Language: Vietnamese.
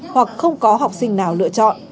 hoặc không có học sinh nào lựa chọn